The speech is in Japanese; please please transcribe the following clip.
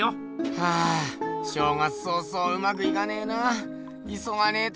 はあ正月早々うまくいかねえないそがねえと